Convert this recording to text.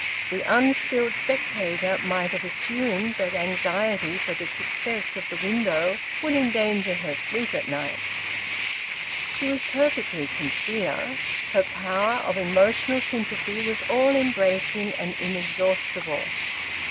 The unskilled spectator might have assumed that anxiety for the success of the window would endanger her sleep at nights. She was perfectly sincere. Her power of emotional sympathy was all embracing and inexhaustible.